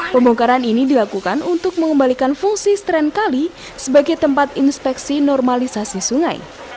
pembongkaran ini dilakukan untuk mengembalikan fungsi strain kali sebagai tempat inspeksi normalisasi sungai